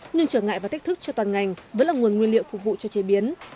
nhưng trở ngại và thách thức cho toàn ngành vẫn là nguồn nguyên liệu phục vụ cho chế biến